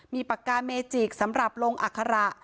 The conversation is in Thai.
มีปากกาเมจิกสำหรับลงอัคระ